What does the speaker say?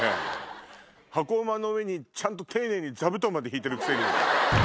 箱馬の上にちゃんと丁寧に座布団まで敷いてるくせに。